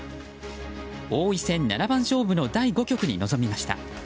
王位戦七番勝負の第５局に臨みました。